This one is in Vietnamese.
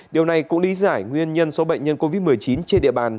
điều này cũng lý giải nguyên nhân số bệnh nhân covid một mươi chín trên địa bàn